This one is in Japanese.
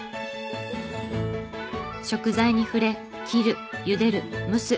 食材に触れ切るゆでる蒸す。